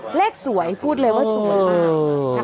เลขสวยพูดเลยว่าสวยมาก